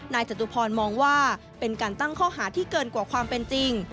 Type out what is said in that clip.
จตุพรมองว่าเป็นการตั้งข้อหาที่เกินกว่าความเป็นจริง